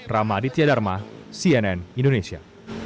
ramaditya dharma cnn indonesia